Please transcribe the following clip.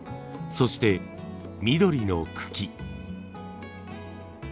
そして緑の茎。